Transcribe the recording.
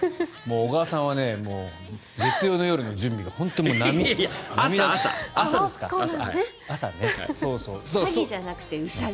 小川さんは月曜の夜の準備が並々ならぬ。